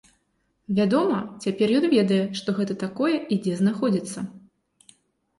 Вядома, цяпер ён ведае, што гэта такое і дзе знаходзіцца.